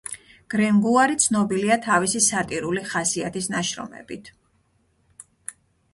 გრენგუარი ცნობილია თავისი სატირული ხასიათის ნაშრომებით.